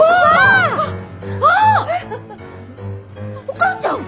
お母ちゃん！